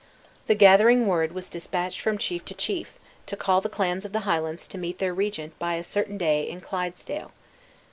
The gathering word was dispatched from chief to chief, to call the clans of the Highlands to meet their regent by a certain day in Clydesdale.